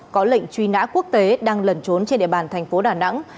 có lệnh truy nã quốc tế đang lẩn trốn trên địa bàn thành phố đà nẵng